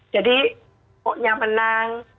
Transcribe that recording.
jadi pokoknya menang